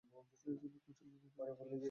এইজন্যই কোচিনের কথা মিথ্যে বলেছি।